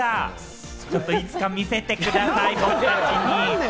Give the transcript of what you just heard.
いつか見せてください、僕たちに。